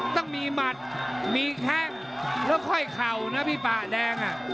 ต้องมีหมัดมีแข้งแล้วค่อยเข่านะพี่ป่าแดง